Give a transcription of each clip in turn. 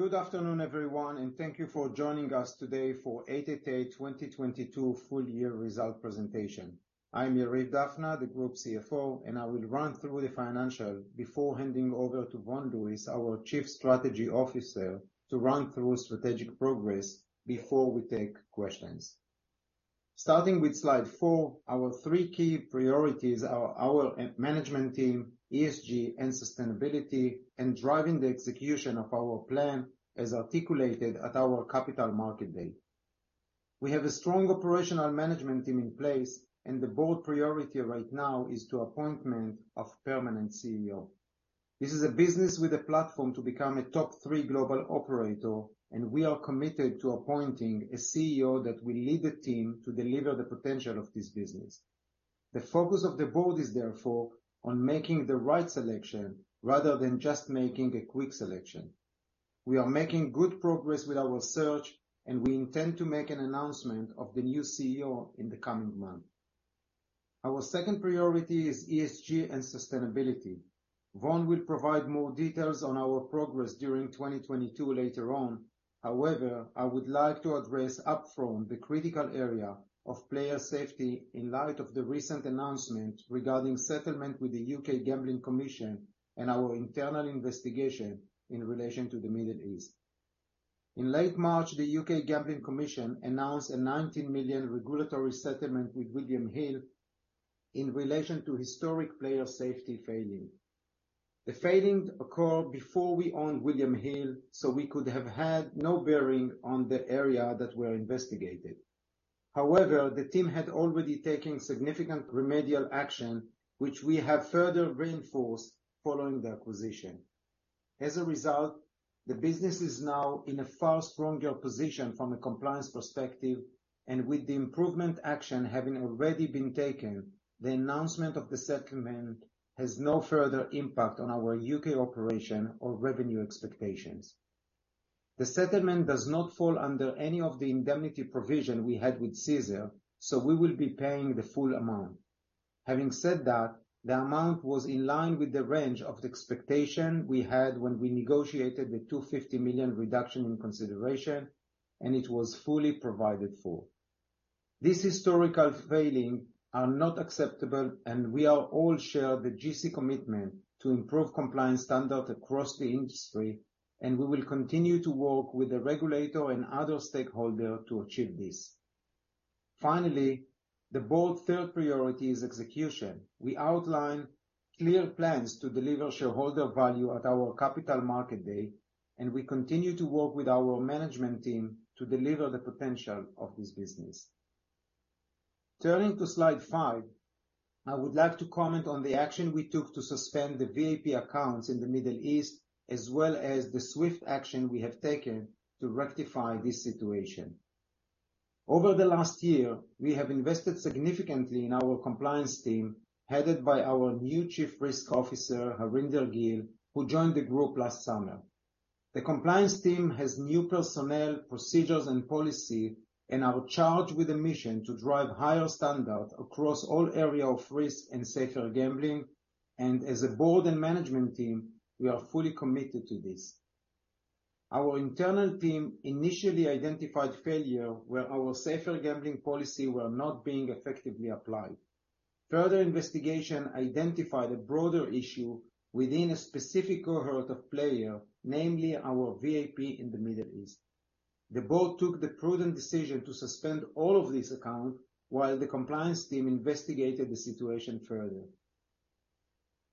Good afternoon, everyone, thank you for joining us today for 888 2022 full year result presentation. I am Yariv Dafna, the Group CFO, and I will run through the financial before handing over to Vaughan Lewis, our Chief Strategy Officer, to run through strategic progress before we take questions. Starting with slide four, our three key priorities are our management team, ESG and sustainability, and driving the execution of our plan as articulated at our Capital Markets Day. We have a strong operational management team in place, and the Board priority right now is to appointment of permanent CEO. This is a business with a platform to become a top three global operator, and we are committed to appointing a CEO that will lead the team to deliver the potential of this business. The focus of the board is therefore on making the right selection rather than just making a quick selection. We are making good progress with our search, and we intend to make an announcement of the new CEO in the coming month. Our second priority is ESG and sustainability. Vaughan will provide more details on our progress during 2022 later on. However, I would like to address upfront the critical area of player safety in light of the recent announcement regarding settlement with the UK Gambling Commission and our internal investigation in relation to the Middle East. In late March, the UK Gambling Commission announced a 19 million regulatory settlement with William Hill in relation to historic player safety failing. The failings occurred before we owned William Hill, so we could have had no bearing on the area that were investigated. However, the team had already taken significant remedial action, which we have further reinforced following the acquisition. As a result, the business is now in a far stronger position from a compliance perspective, and with the improvement action having already been taken, the announcement of the settlement has no further impact on our UK operation or revenue expectations. The settlement does not fall under any of the indemnity provision we had with Caesars. We will be paying the full amount. Having said that, the amount was in line with the range of expectation we had when we negotiated the 250 million reduction in consideration. It was fully provided for. This historical failing are not acceptable. We all share the GC commitment to improve compliance standards across the industry. We will continue to work with the regulator and other stakeholder to achieve this. Finally, the Board third priority is execution. We outline clear plans to deliver shareholder value at our Capital Markets Day. We continue to work with our management team to deliver the potential of this business. Turning to slide five, I would like to comment on the action we took to suspend the VIP accounts in the Middle East, as well as the swift action we have taken to rectify this situation. Over the last year, we have invested significantly in our compliance team, headed by our new Chief Risk Officer, Harinder Gill, who joined the group last summer. The compliance team has new personnel, procedures and policy and are charged with a mission to drive higher standards across all areas of risk and safer gambling. As a Board and management team, we are fully committed to this. Our internal team initially identified failure where our safer gambling policy were not being effectively applied. Further investigation identified a broader issue within a specific cohort of player, namely our VIP in the Middle East. The board took the prudent decision to suspend all of these account while the compliance team investigated the situation further.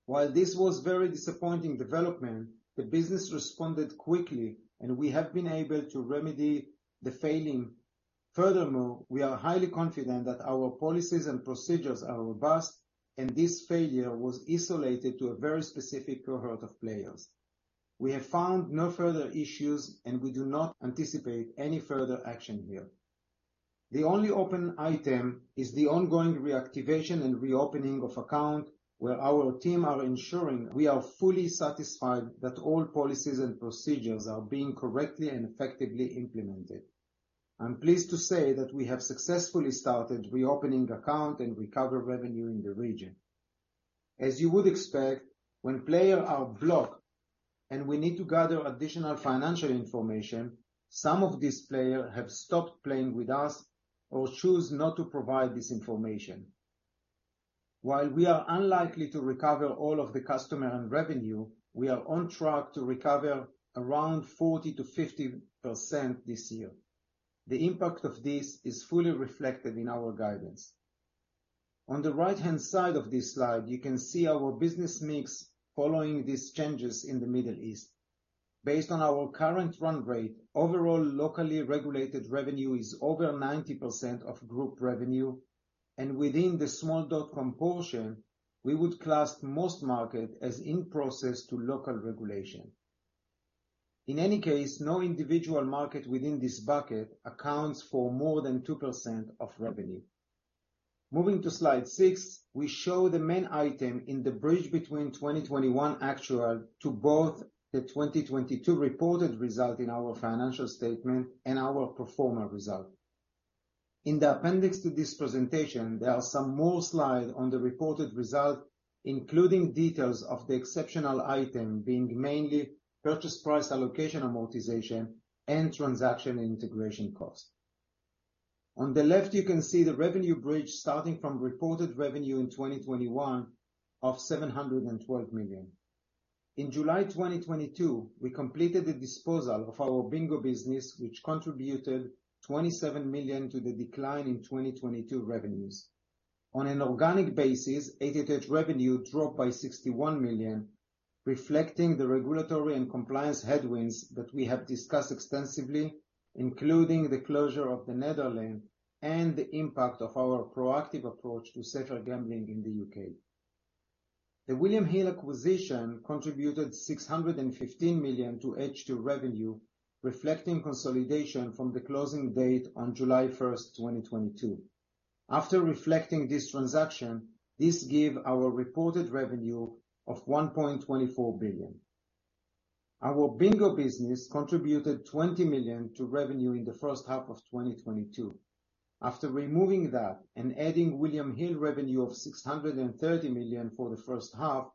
While this was very disappointing development, the business responded quickly, and we have been able to remedy the failing. Furthermore, we are highly confident that our policies and procedures are robust, and this failure was isolated to a very specific cohort of players. We have found no further issues, and we do not anticipate any further action here. The only open item is the ongoing reactivation and reopening of account, where our team are ensuring we are fully satisfied that all policies and procedures are being correctly and effectively implemented. I'm pleased to say that we have successfully started reopening account and recover revenue in the region. As you would expect, when player are blocked and we need to gather additional financial information, some of these player have stopped playing with us or choose not to provide this information. While we are unlikely to recover all of the customer and revenue, we are on track to recover around 40%-50% this year. The impact of this is fully reflected in our guidance. On the right-hand side of this slide, you can see our business mix following these changes in the Middle East. Based on our current run rate, overall locally regulated revenue is over 90% of group revenue, and within the small dotcom portion, we would class most market as in process to local regulation. In any case, no individual market within this bucket accounts for more than 2% of revenue. Moving to Slide six, we show the main item in the bridge between 2021 actual to both the 2022 reported result in our financial statement and our pro forma result. In the appendix to this presentation, there are some more slide on the reported result, including details of the exceptional item being mainly purchase price allocation amortization and transaction and integration cost. On the left, you can see the revenue bridge starting from reported revenue in 2021 of 712 million. In July 2022, we completed the disposal of our Bingo business, which contributed 27 million to the decline in 2022 revenues. On an organic basis, 888 revenue dropped by 61 million, reflecting the regulatory and compliance headwinds that we have discussed extensively, including the closure of the Netherlands and the impact of our proactive approach to safer gambling in the U.K. The William Hill acquisition contributed 615 million to H2 revenue, reflecting consolidation from the closing date on July 1st, 2022. After reflecting this transaction, this give our reported revenue of 1.24 billion. Our Bingo business contributed 20 million to revenue in the first half of 2022. After removing that and adding William Hill revenue of 630 million for the first half,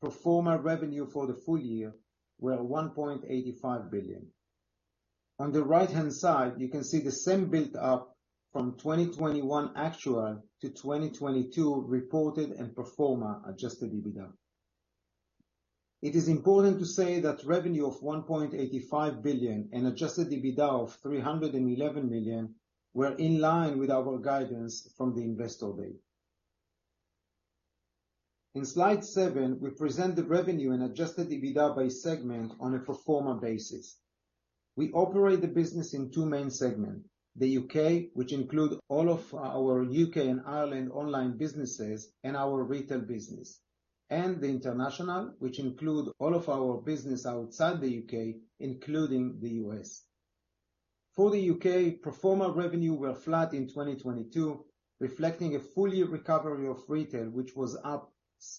pro forma revenue for the full year were 1.85 billion. On the right-hand side, you can see the same build-up from 2021 actual to 2022 reported and pro forma adjusted EBITDA. It is important to say that revenue of 1.85 billion and adjusted EBITDA of 311 million were in line with our guidance from the investor day. In slide seven, we present the revenue and adjusted EBITDA by segment on a pro forma basis. We operate the business in two main segments. The U.K., which include all of our U.K.. and Ireland online businesses and our retail business, and the international, which include all of our business outside the U.K., including the U.S.. For the UK, pro forma revenue were flat in 2022, reflecting a full year recovery of retail, which was up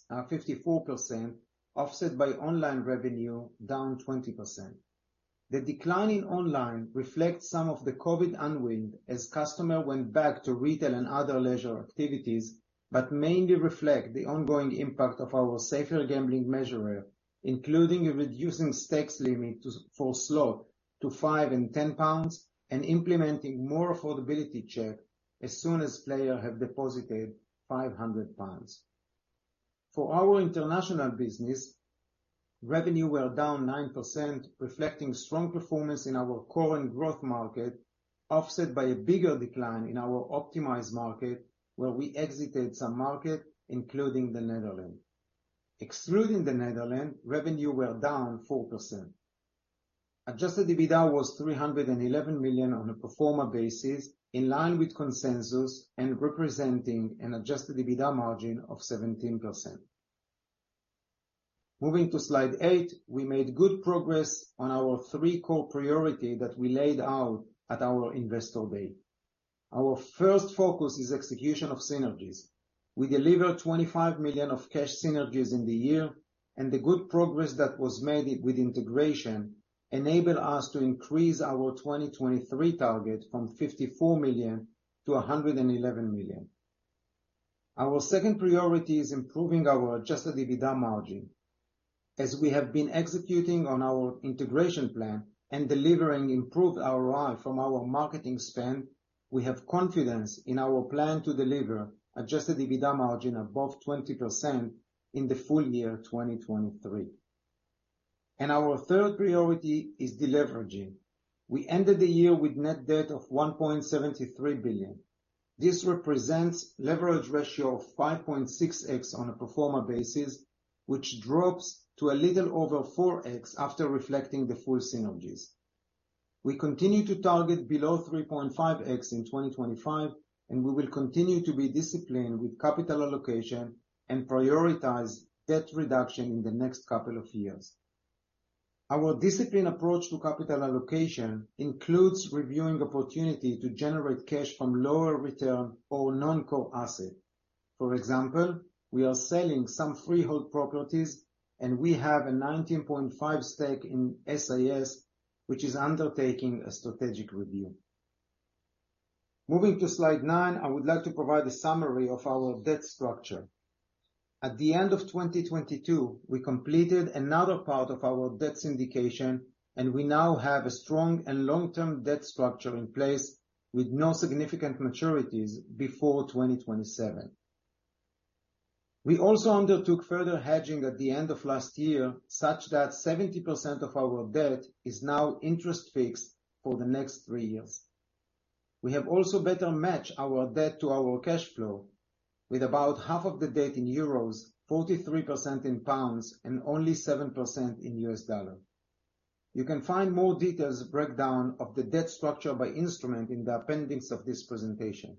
54%, offset by online revenue down 20%. The decline in online reflects some of the COVID unwind as customer went back to retail and other leisure activities, but mainly reflect the ongoing impact of our safer gambling measure, including a reducing stakes limit for slot to 5 and 10 pounds and implementing more affordability check as soon as player have deposited 500 pounds. For our international business, revenue were down 9%, reflecting strong performance in our current growth market, offset by a bigger decline in our optimized market, where we exited some market, including the Netherlands. Excluding the Netherlands, revenue were down 4%. adjusted EBITDA was 311 million on a pro forma basis, in line with consensus and representing an adjusted EBITDA margin of 17%. Moving to slide eight, we made good progress on our three core priority that we laid out at our investor day. Our first focus is execution of synergies. We delivered 25 million of cash synergies in the year. The good progress that was made with integration enabled us to increase our 2023 target from 54 million-111 million. Our second priority is improving our adjusted EBITDA margin. As we have been executing on our integration plan and delivering improved ROI from our marketing spend, we have confidence in our plan to deliver adjusted EBITDA margin above 20% in the full year 2023. Our third priority is deleveraging. We ended the year with net debt of 1.73 billion. This represents leverage ratio of 5.6x on a pro forma basis, which drops to a little over 4x after reflecting the full synergies. We continue to target below 3.5x in 2025, we will continue to be disciplined with capital allocation and prioritize debt reduction in the next couple of years. Our disciplined approach to capital allocation includes reviewing opportunity to generate cash from lower return or non-core asset. For example, we are selling some freehold properties, we have a 19.5 stake in SIS, which is undertaking a strategic review. Moving to Slide nine, I would like to provide a summary of our debt structure. At the end of 2022, we completed another part of our debt syndication, we now have a strong and long-term debt structure in place with no significant maturities before 2027. We also undertook further hedging at the end of last year, such that 70% of our debt is now interest fixed for the next three years. We have also better matched our debt to our cash flow with about half of the debt in EUR, 43% in GBP, and only 7% in USD. You can find more details breakdown of the debt structure by instrument in the appendix of this presentation.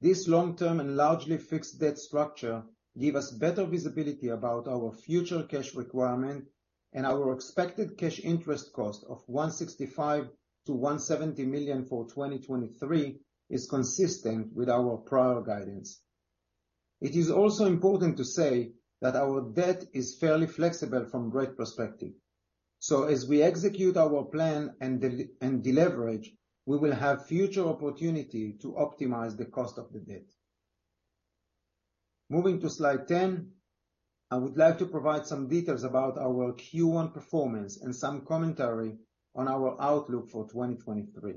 This long-term and largely fixed debt structure give us better visibility about our future cash requirement and our expected cash interest cost of 165 million-170 million for 2023 is consistent with our prior guidance. It is also important to say that our debt is fairly flexible from rate perspective. As we execute our plan and deleverage, we will have future opportunity to optimize the cost of the debt. Moving to slide 10, I would like to provide some details about our Q1 performance and some commentary on our outlook for 2023.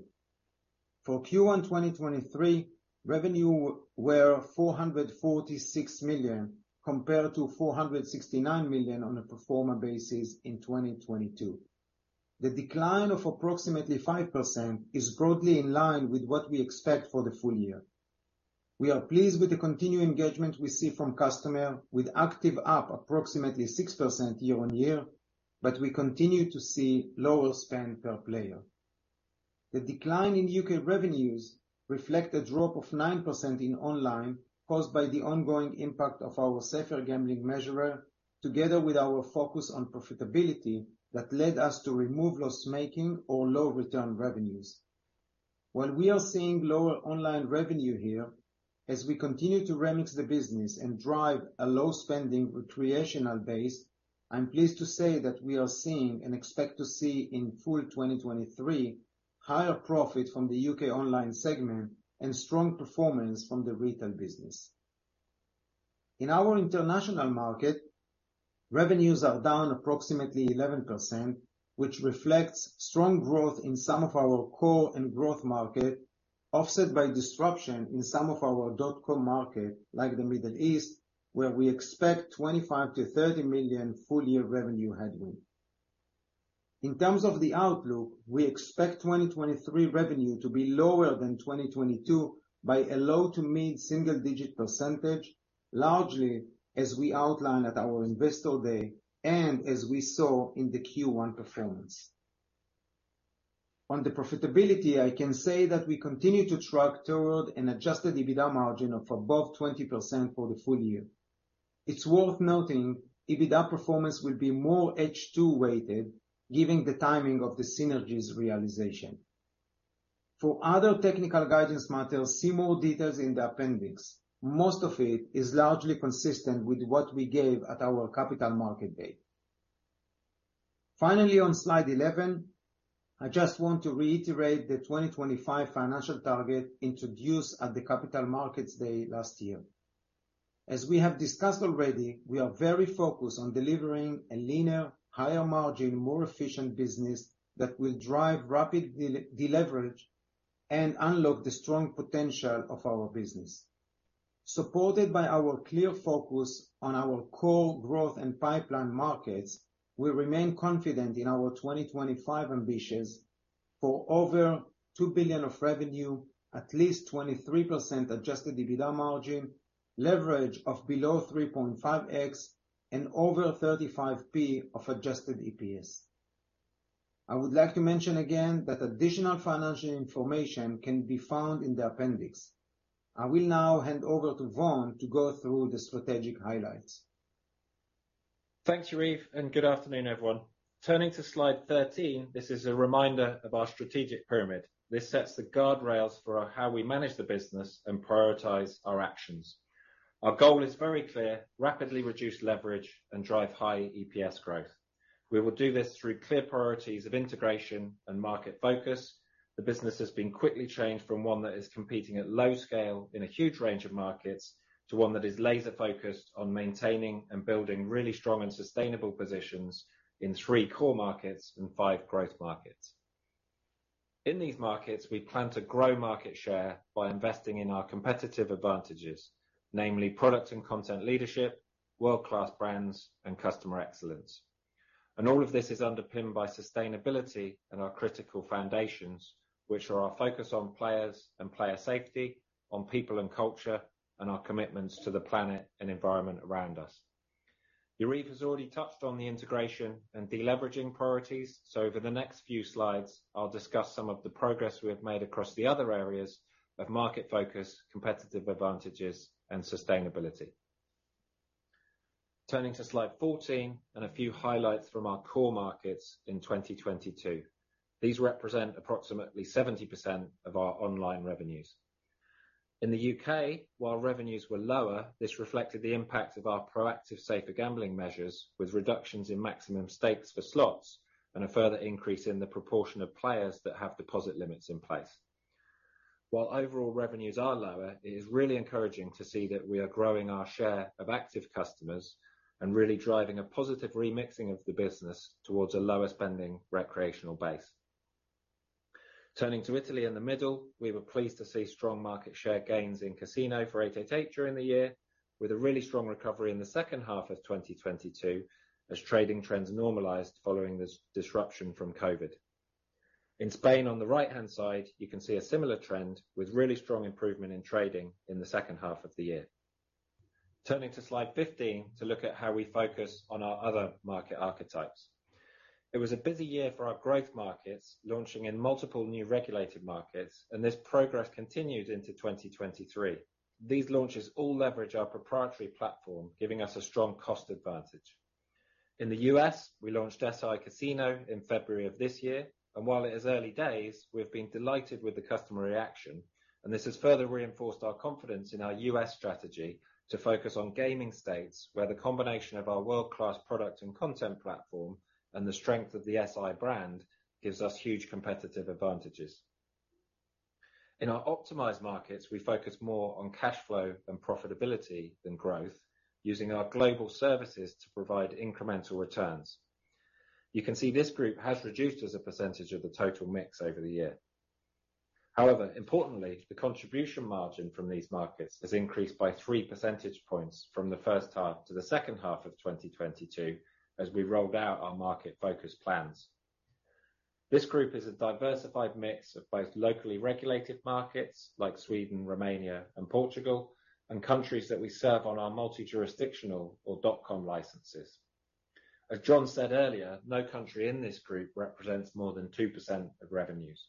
For Q1 2023, revenue were 446 million, compared to 469 million on a pro forma basis in 2022. The decline of approximately 5% is broadly in line with what we expect for the full year. We are pleased with the continued engagement we see from customer with active app approximately 6% year-on-year. We continue to see lower spend per player. The decline in U.K. revenues reflect a drop of 9% in online caused by the ongoing impact of our safer gambling measure, together with our focus on profitability that led us to remove loss-making or low-return revenues. While we are seeing lower online revenue here, as we continue to remix the business and drive a low-spending recreational base, I'm pleased to say that we are seeing, and expect to see in full 2023, higher profit from the U.K. online segment and strong performance from the retail business. In our international market, revenues are down approximately 11%, which reflects strong growth in some of our core and growth market, offset by disruption in some of our dotcom market, like the Middle East, where we expect 25 million-30 million full-year revenue headwind. In terms of the outlook, we expect 2023 revenue to be lower than 2022 by a low to mid single-digit percentage, largely as we outlined at our Capital Markets Day and as we saw in the Q1 performance. On the profitability, I can say that we continue to track toward an adjusted EBITDA margin of above 20% for the full-year. It's worth noting EBITDA performance will be more H2-weighted given the timing of the synergies realization. For other technical guidance matters, see more details in the appendix. Most of it is largely consistent with what we gave at our Capital Markets Day. Finally, on slide 11, I just want to reiterate the 2025 financial target introduced at the Capital Markets Day last year. As we have discussed already, we are very focused on delivering a leaner, higher margin, more efficient business that will drive rapid deleverage and unlock the strong potential of our business. Supported by our clear focus on our core growth and pipeline markets, we remain confident in our 2025 ambitions for over 2 billion of revenue, at least 23% adjusted EBITDA margin, leverage of below 3.5x, and over 35p of adjusted EPS. I would like to mention again that additional financial information can be found in the appendix. I will now hand over to Vaughan to go through the strategic highlights. Thanks, Yariv, and good afternoon, everyone. Turning to slide 13, this is a reminder of our strategic pyramid. This sets the guardrails for how we manage the business and prioritize our actions. Our goal is very clear, rapidly reduce leverage and drive high EPS growth. We will do this through clear priorities of integration and market focus. The business has been quickly changed from one that is competing at low scale in a huge range of markets, to one that is laser-focused on maintaining and building really strong and sustainable positions in three core markets and five growth markets. In these markets, we plan to grow market share by investing in our competitive advantages, namely product and content leadership, world-class brands, and customer excellence. All of this is underpinned by sustainability and our critical foundations, which are our focus on players and player safety, on people and culture, and our commitments to the planet and environment around us. Yariv has already touched on the integration and deleveraging priorities, so over the next few slides, I'll discuss some of the progress we have made across the other areas of market focus, competitive advantages, and sustainability. Turning to slide 14, and a few highlights from our core markets in 2022. These represent approximately 70% of our online revenues. In the UK, while revenues were lower, this reflected the impact of our proactive safer gambling measures with reductions in maximum stakes for slots and a further increase in the proportion of players that have deposit limits in place. While overall revenues are lower, it is really encouraging to see that we are growing our share of active customers and really driving a positive remixing of the business towards a lower-spending recreational base. Turning to Italy in the middle, we were pleased to see strong market share gains in casino for 888 during the year, with a really strong recovery in the second half of 2022 as trading trends normalized following this disruption from COVID. In Spain, on the right-hand side, you can see a similar trend with really strong improvement in trading in the second half of the year. Turning to slide 15 to look at how we focus on our other market archetypes. It was a busy year for our growth markets, launching in multiple new regulated markets, and this progress continued into 2023. These launches all leverage our proprietary platform, giving us a strong cost advantage. In the U.S., we launched SI Casino in February of this year, and while it is early days, we have been delighted with the customer reaction. This has further reinforced our confidence in our U.S. strategy to focus on gaming states where the combination of our world-class product and content platform, and the strength of the SI brand gives us huge competitive advantages. In our optimized markets, we focus more on cash flow and profitability than growth, using our global services to provide incremental returns. You can see this group has reduced as a percentage of the total mix over the year. However, importantly, the contribution margin from these markets has increased by 3 percentage points from the first half to the second half of 2022 as we rolled out our market focus plans. This group is a diversified mix of both locally regulated markets like Sweden, Romania and Portugal, and countries that we serve on our multi-jurisdictional or dotcom licenses. As John said earlier, no country in this group represents more than 2% of revenues.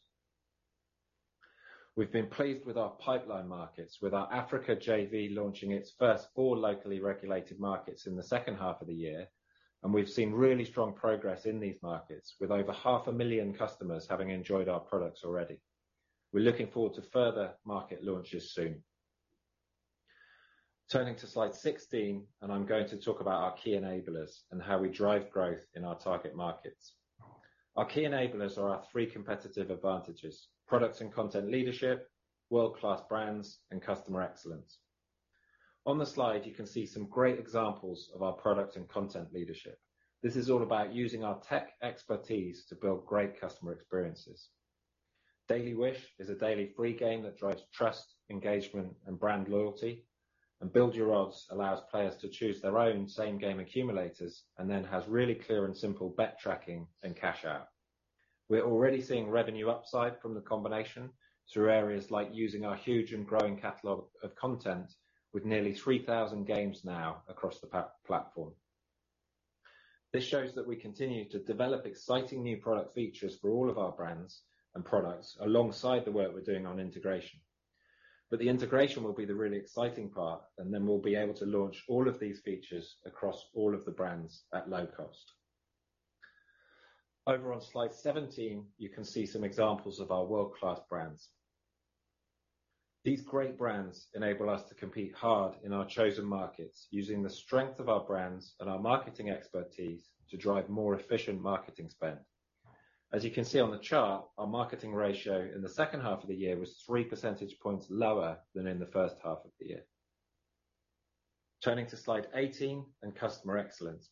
We've been pleased with our pipeline markets, with our Africa JV launching its first four locally regulated markets in the second half of the year, and we've seen really strong progress in these markets, with over half a million customers having enjoyed our products already. We're looking forward to further market launches soon. Turning to slide 16. I'm going to talk about our key enablers and how we drive growth in our target markets. Our key enablers are our three competitive advantages: products and content leadership, world-class brands, and customer excellence. On the slide, you can see some great examples of our product and content leadership. This is all about using our tech expertise to build great customer experiences. Daily Wish is a daily free game that drives trust, engagement and brand loyalty. Build #YourOdds allows players to choose their own same game accumulators, and then has really clear and simple bet tracking and cash out. We're already seeing revenue upside from the combination through areas like using our huge and growing catalog of content with nearly 3,000 games now across the platform. This shows that we continue to develop exciting new product features for all of our brands and products alongside the work we're doing on integration. The integration will be the really exciting part, and then we'll be able to launch all of these features across all of the brands at low cost. Over on slide 17, you can see some examples of our world-class brands. These great brands enable us to compete hard in our chosen markets, using the strength of our brands and our marketing expertise to drive more efficient marketing spend. As you can see on the chart, our marketing ratio in the second half of the year was 3 percentage points lower than in the first half of the year. Turning to slide 18, in customer excellence.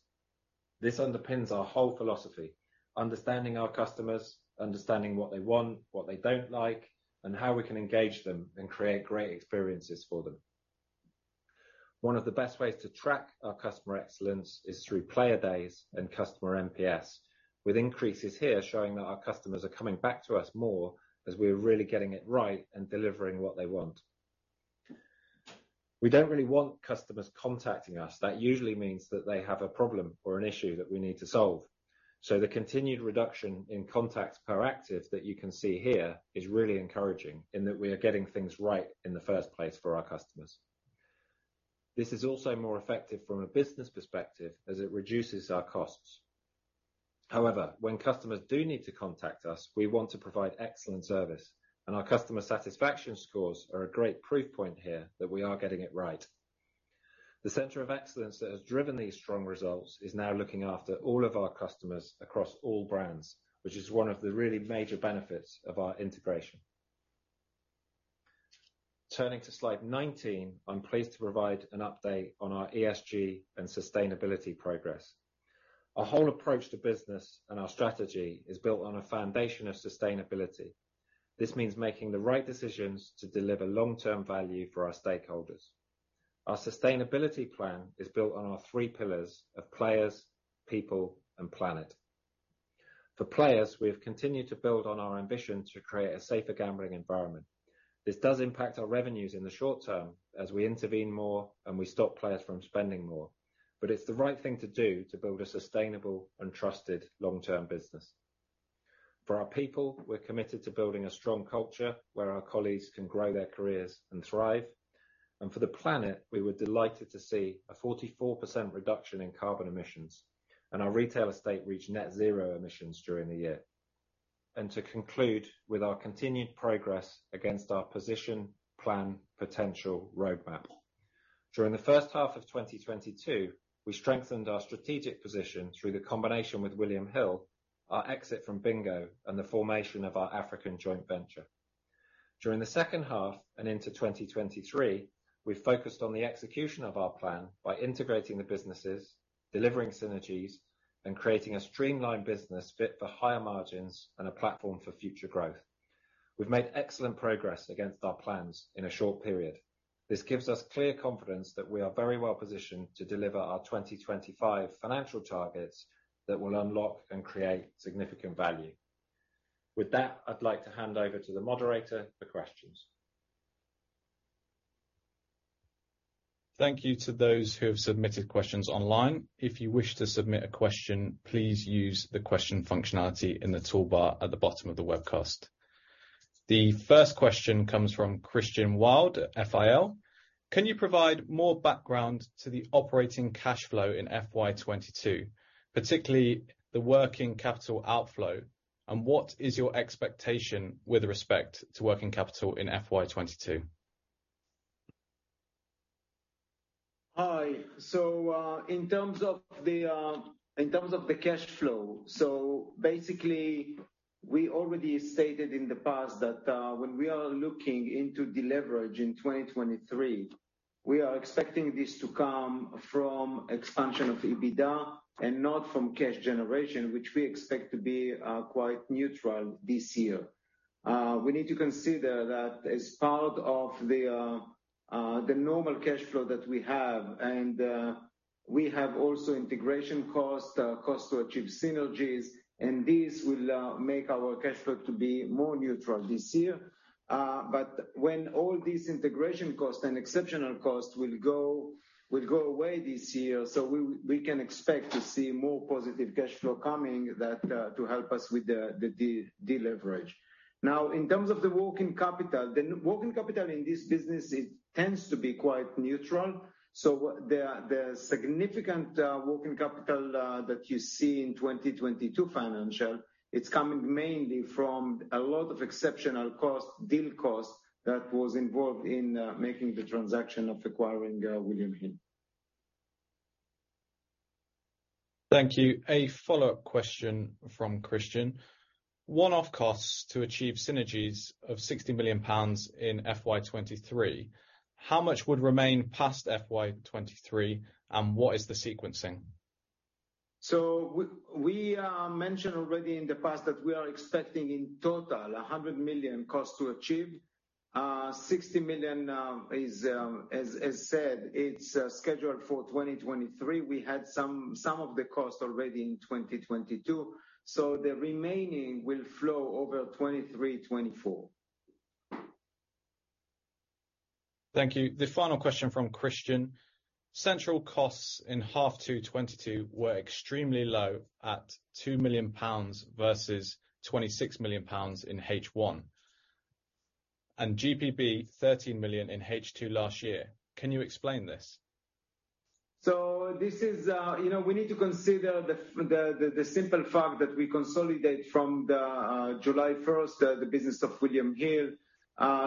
This underpins our whole philosophy, understanding our customers, understanding what they want, what they don't like, and how we can engage them and create great experiences for them. One of the best ways to track our customer excellence is through player days and customer NPS. With increases here showing that our customers are coming back to us more as we are really getting it right and delivering what they want. We don't really want customers contacting us. That usually means that they have a problem or an issue that we need to solve. The continued reduction in contacts per active that you can see here is really encouraging in that we are getting things right in the first place for our customers. This is also more effective from a business perspective as it reduces our costs. When customers do need to contact us, we want to provide excellent service, and our customer satisfaction scores are a great proof point here that we are getting it right. The center of excellence that has driven these strong results is now looking after all of our customers across all brands, which is one of the really major benefits of our integration. Turning to slide 19, I'm pleased to provide an update on our ESG and sustainability progress. Our whole approach to business and our strategy is built on a foundation of sustainability. This means making the right decisions to deliver long-term value for our stakeholders. Our sustainability plan is built on our three pillars of players, people and planet. For players, we have continued to build on our ambition to create a safer gambling environment. This does impact our revenues in the short term as we intervene more and we stop players from spending more. It's the right thing to do to build a sustainable and trusted long-term business. For our people, we're committed to building a strong culture where our colleagues can grow their careers and thrive. For the planet, we were delighted to see a 44% reduction in carbon emissions, and our retail estate reach net zero emissions during the year. To conclude with our continued progress against our position, plan, potential roadmap. During the first half of 2022, we strengthened our strategic position through the combination with William Hill, our exit from Bingo, and the formation of our African joint venture. During the second half and into 2023, we focused on the execution of our plan by integrating the businesses, delivering synergies, and creating a streamlined business fit for higher margins and a platform for future growth. We've made excellent progress against our plans in a short period. This gives us clear confidence that we are very well-positioned to deliver our 2025 financial targets that will unlock and create significant value. With that, I'd like to hand over to the moderator for questions. Thank you to those who have submitted questions online. If you wish to submit a question, please use the question functionality in the toolbar at the bottom of the webcast. The first question comes from Christian Wild at FIL. Can you provide more background to the operating cash flow in FY22, particularly the working capital outflow? What is your expectation with respect to working capital in FY22? Hi. In terms of the in terms of the cash flow, basically we already stated in the past that when we are looking into deleverage in 2023, we are expecting this to come from expansion of EBITDA and not from cash generation, which we expect to be quite neutral this year. We need to consider that as part of the normal cash flow that we have and we have also integration costs, cost to achieve synergies, and these will make our cash flow to be more neutral this year. When all these integration costs and exceptional costs will go away this year, we can expect to see more positive cash flow coming that to help us with the deleverage. Now, in terms of the working capital, the working capital in this business it tends to be quite neutral. The significant working capital that you see in 2022 financial, it's coming mainly from a lot of exceptional costs, deal costs that was involved in making the transaction of acquiring William Hill. Thank you. A follow-up question from Christian. One-off costs to achieve synergies of 60 million pounds in FY23, how much would remain past FY23, and what is the sequencing? We mentioned already in the past that we are expecting in total 100 million costs to achieve. 60 million is, as said, it's scheduled for 2023. We had some of the costs already in 2022, the remaining will flow over 2023, 2024. Thank you. The final question from Christian. Central costs in half two 2022 were extremely low at 2 million pounds versus 26 million pounds in H1, and 13 million in H2 2021. Can you explain this? This is, you know, we need to consider the simple fact that we consolidate from July 1st, the business of William Hill.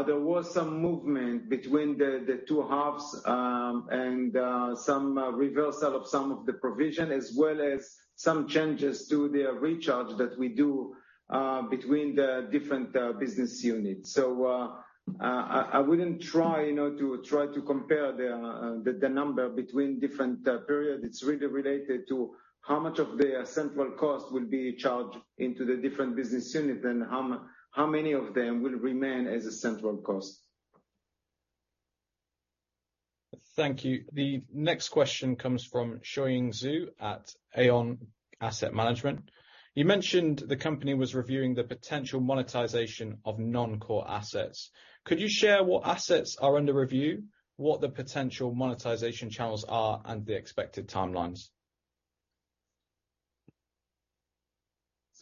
There was some movement between the two halves, and some reversal of some of the provision, as well as some changes to the recharge that we do between the different business units. I wouldn't try, you know, to try to compare the number between different periods. It's really related to how much of the central cost will be charged into the different business unit than how many of them will remain as a central cost. Thank you. The next question comes from Shu Ying Zu at Aon Asset Management. You mentioned the company was reviewing the potential monetization of non-core assets. Could you share what assets are under review? What the potential monetization channels are and the expected timelines?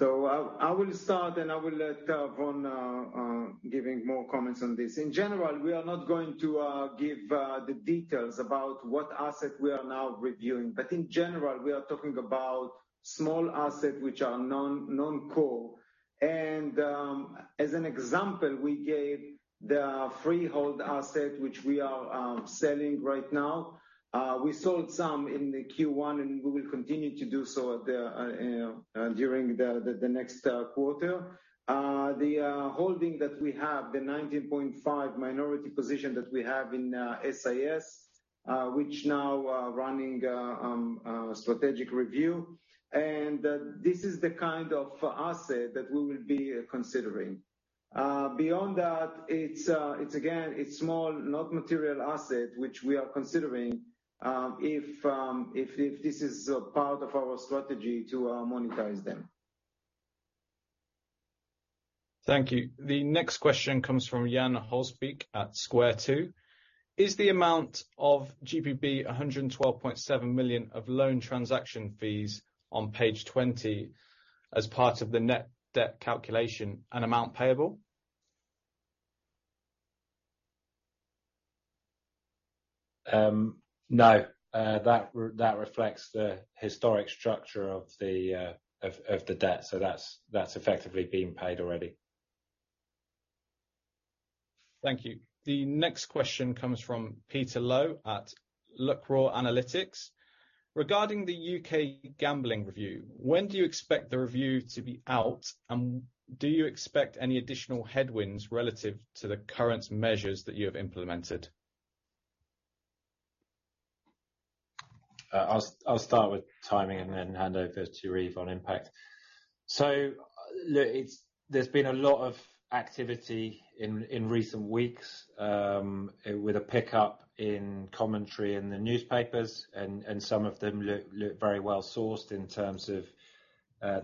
I will start, and I will let Vaughan giving more comments on this. In general, we are not going to give the details about what asset we are now reviewing. In general, we are talking about small asset which are non-core. As an example, we gave the freehold asset which we are selling right now. We sold some in the Q1, and we will continue to do so at the, you know, during the next quarter. The holding that we have, the 19.5 minority position that we have in SIS, which now are running a strategic review. This is the kind of asset that we will be considering. Beyond that, it's again, it's small, not material asset, which we are considering, if this is a part of our strategy to monetize them. Thank you. The next question comes from Jan Holsbeek at Squarepoint Capital. Is the amount of 112.7 million of loan transaction fees on page 20 as part of the net debt calculation an amount payable? No. That reflects the historic structure of the debt, so that's effectively been paid already. Thank you. The next question comes from Peter Low at Lucror Analytics. Regarding the Gambling Act Review, when do you expect the review to be out? Do you expect any additional headwinds relative to the current measures that you have implemented? I'll start with timing and then hand over to Yariv on impact. Look, there's been a lot of activity in recent weeks, with a pickup in commentary in the newspapers and some of them look very well-sourced in terms of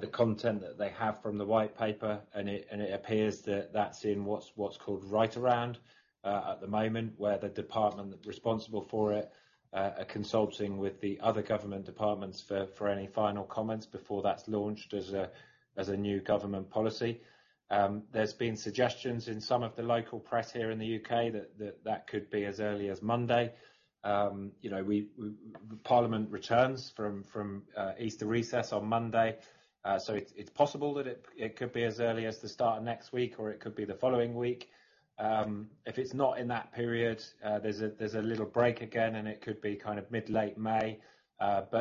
the content that they have from the White Paper, and it appears that that's in what's called write-around at the moment, where the department responsible for it are consulting with the other government departments for any final comments before that's launched as a new government policy. There's been suggestions in some of the local press here in the U.K. that that could be as early as Monday. You know, Parliament returns from Easter recess on Monday. It's possible that it could be as early as the start of next week, or it could be the following week. If it's not in that period, there's a, there's a little break again, and it could be kind of mid-late May.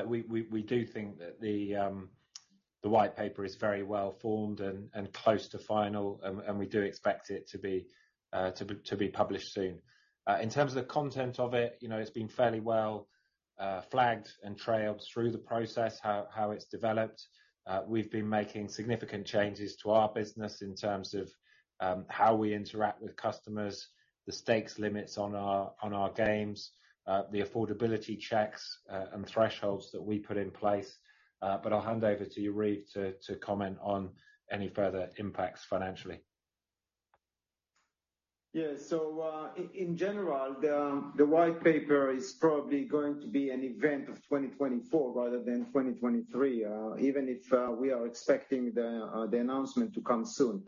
We do think that the White Paper is very well formed and close to final. We do expect it to be published soon. In terms of the content of it, you know, it's been fairly well, flagged and trailed through the process, how it's developed. We've been making significant changes to our business in terms of, how we interact with customers, the stakes limits on our games, the affordability checks, and thresholds that we put in place. I'll hand over to Yariv to comment on any further impacts financially. In general, the White Paper is probably going to be an event of 2024 rather than 2023, even if we are expecting the announcement to come soon.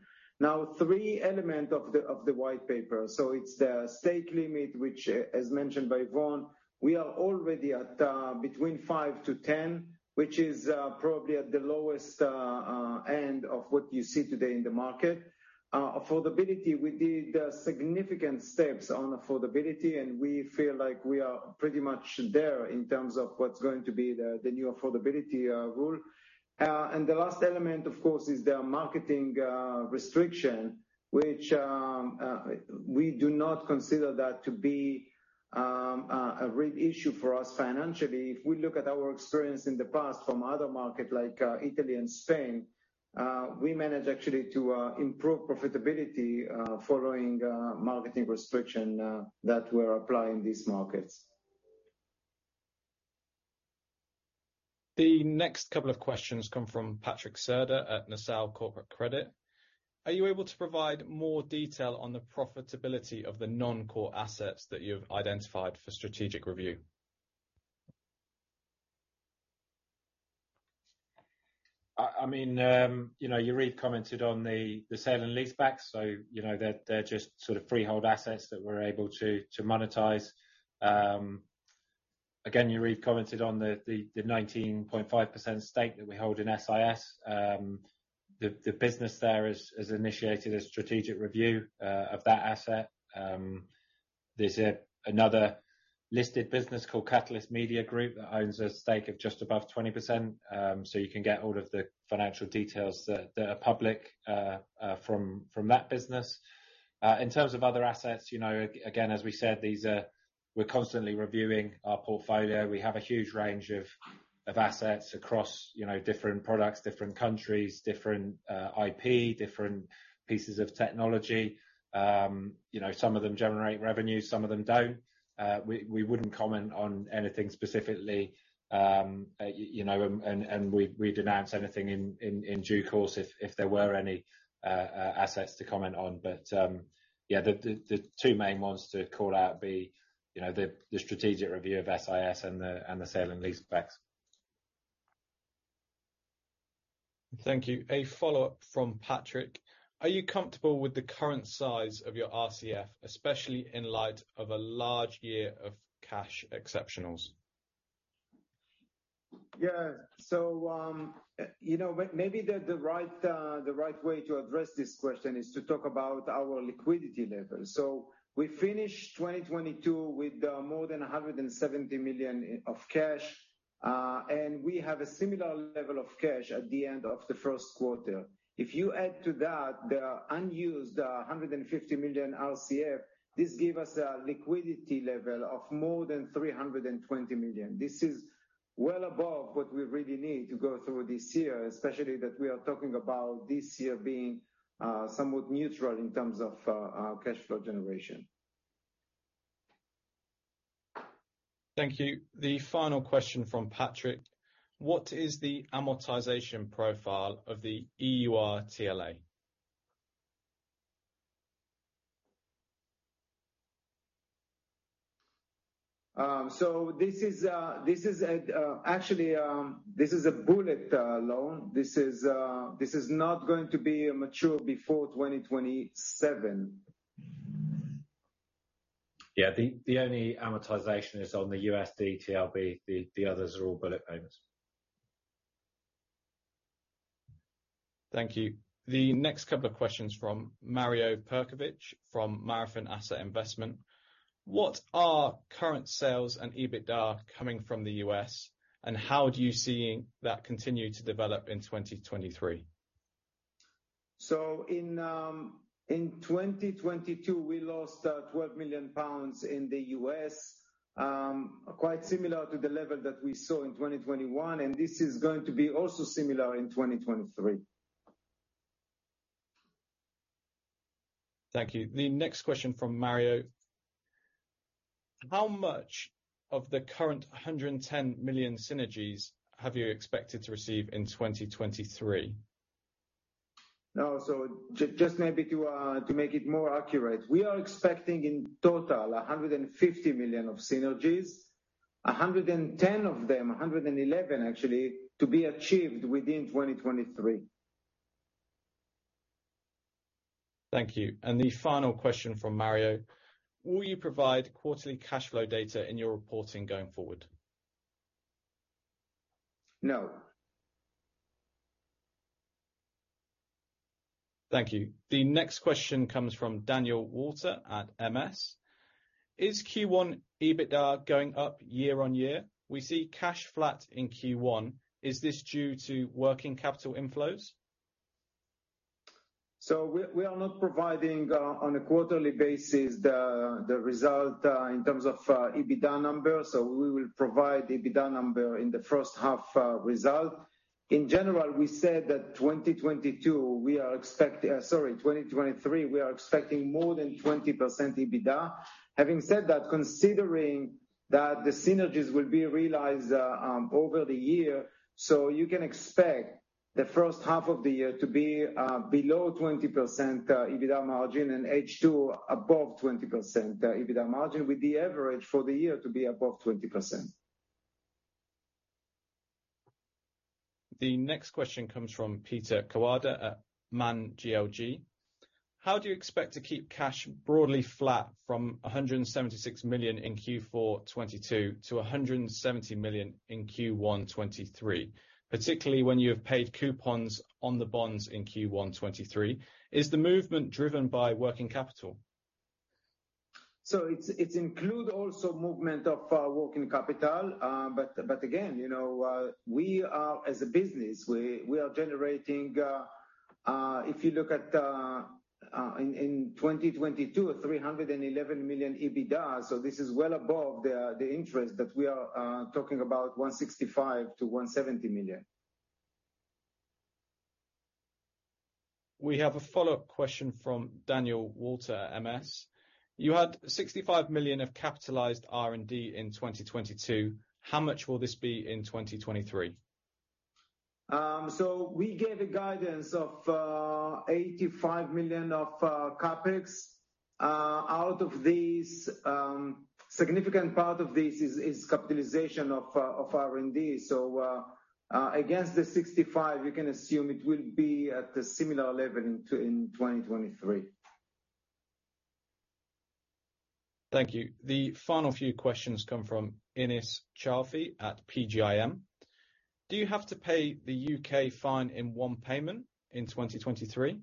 Three element of the White Paper. It's the stake limit, which as mentioned by Vaughn, we are already at between 5-10, which is probably at the lowest end of what you see today in the market. Affordability, we did significant steps on affordability, and we feel like we are pretty much there in terms of what's going to be the new affordability rule. The last element, of course, is the marketing restriction, which we do not consider that to be a real issue for us financially. If we look at our experience in the past from other market like, Italy and Spain, we managed actually to improve profitability, following a marketing restriction, that we're applying these markets. The next couple of questions come from Patrick Serda at Nassau Corporate Credit. Are you able to provide more detail on the profitability of the non-core assets that you've identified for strategic review? I mean, you know, Yariv commented on the sale and leaseback, you know, they're just sort of freehold assets that we're able to monetize. Again, Yariv commented on the 19.5% stake that we hold in SIS. The business there has initiated a strategic review of that asset. There's another listed business called Catalyst Media Group that owns a stake of just above 20%. You can get all of the financial details that are public from that business. In terms of other assets, you know, again, as we said, we're constantly reviewing our portfolio. We have a huge range of assets across, you know, different products, different countries, different IP, different pieces of technology. You know, some of them generate revenue, some of them don't. We wouldn't comment on anything specifically, you know, and we'd announce anything in due course if there were any assets to comment on. Yeah, the two main ones to call out be, you know, the strategic review of SIS and the sale and leasebacks. Thank you. A follow-up from Patrick. Are you comfortable with the current size of your RCF, especially in light of a large year of cash exceptionals? Yeah. you know, maybe the right way to address this question is to talk about our liquidity levels. We finished 2022 with more than 170 million of cash. We have a similar level of cash at the end of the first quarter. If you add to that the unused 150 million RCF, this give us a liquidity level of more than 320 million. This is well above what we really need to go through this year, especially that we are talking about this year being somewhat neutral in terms of our cash flow generation. Thank you. The final question from Patrick. What is the amortization profile of the Euro TLA? This is a bullet loan. This is not going to be mature before 2027. Yeah. The only amortization is on the USD TLB. The others are all bullet payments. Thank you. The next couple of questions from Mario Perkovic, from Marathon Asset Management. What are current sales and EBITDA coming from the U.S., and how do you seeing that continue to develop in 2023? In 2022, we lost 12 million pounds in the U.S., quite similar to the level that we saw in 2021, and this is going to be also similar in 2023. Thank you. The next question from Mario. How much of the current 110 million synergies have you expected to receive in 2023? No. Just maybe to make it more accurate. We are expecting in total 150 million of synergies. 110 of them, 111 actually, to be achieved within 2023. Thank you. The final question from Mario. Will you provide quarterly cash flow data in your reporting going forward? No. Thank you. The next question comes from Daniel Walter at MS. Is Q1 EBITDA going up year-over-year? We see cash flat in Q1. Is this due to working capital inflows? We are not providing on a quarterly basis the result in terms of EBITDA numbers. We will provide the EBITDA number in the first half result. In general, we said that 2022, sorry, 2023, we are expecting more than 20% EBITDA. Having said that, considering that the synergies will be realized over the year, you can expect the first half of the year to be below 20% EBITDA margin and H2 above 20% EBITDA margin, with the average for the year to be above 20%. The next question comes from Peter Kawada at Man GLG. How do you expect to keep cash broadly flat from 176 million in Q4 2022 to 170 million in Q1 2023, particularly when you have paid coupons on the bonds in Q1 2023? Is the movement driven by working capital? It's, it include also movement of working capital. Again, you know, we are as a business, we are generating. If you look at in 2022, 311 million EBITDA, this is well above the interest that we are talking about, 165 million-170 million. We have a follow-up question from Daniel Walter, MS. You had 65 million of capitalized R&D in 2022. How much will this be in 2023? We gave a guidance of 85 million of CapEx. Out of these, significant part of this is capitalization of R&D. Against the 65 million, you can assume it will be at a similar level in 2023. Thank you. The final few questions come from Innes Chaffee at PGIM. Do you have to pay the UK fine in one payment in 2023?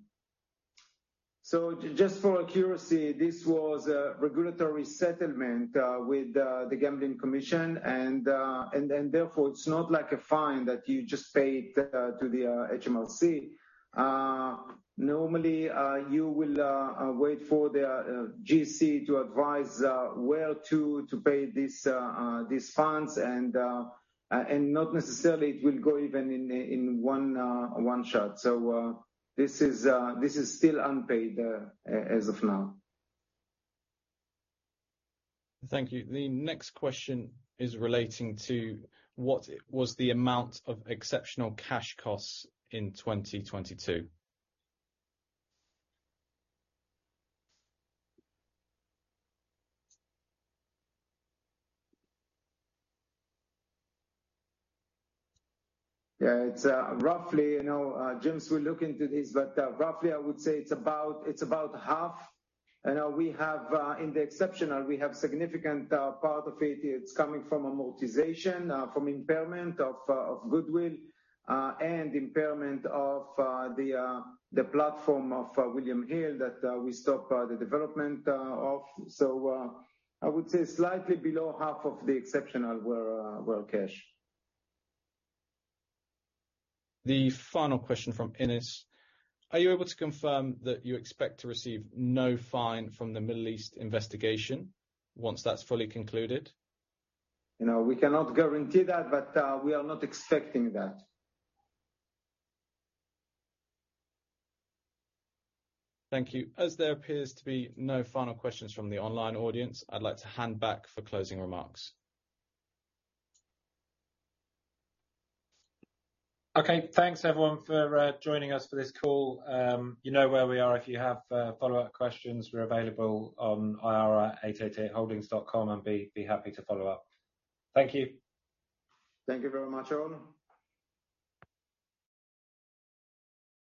Just for accuracy, this was a regulatory settlement with the Gambling Commission, and then therefore, it's not like a fine that you just pay it to the HMRC. Normally, you will wait for the GC to advise where to pay these funds and not necessarily it will go even in one shot. This is still unpaid as of now. Thank you. The next question is relating to what was the amount of exceptional cash costs in 2022. It's roughly, you know, James will look into this, but roughly, I would say it's about half. You know, we have in the exceptional, we have significant part of it is coming from amortization, from impairment of goodwill. Impairment of the platform of William Hill that we stop the development of. I would say slightly below half of the exceptional were cash. The final question from Innes. Are you able to confirm that you expect to receive no fine from the Middle East investigation once that's fully concluded? You know, we cannot guarantee that. We are not expecting that. Thank you. As there appears to be no final questions from the online audience, I'd like to hand back for closing remarks. Okay. Thanks, everyone, for joining us for this call. You know where we are. If you have follow-up questions, we're available on ir888holdings.com and be happy to follow up. Thank you. Thank you very much, all.